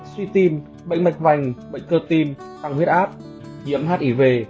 suy tim bệnh mạch vành bệnh cơ tim tăng huyết áp nhiễm hiv